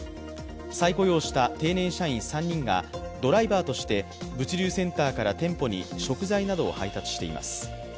再雇用した定年社員３人がドライバーとして物流センターから店舗に食材などを配達しています。